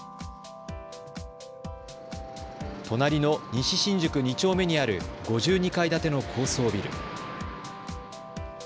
隣の西新宿２丁目にある５２階建ての高層ビル。